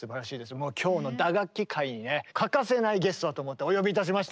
もう今日の「打楽器」回にね欠かせないゲストだと思ってお呼びいたしました。